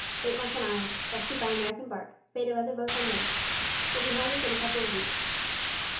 Eight months on the island. Rescued by American barque. Fate of other boats unknown. Will be home within a couple of weeks.'"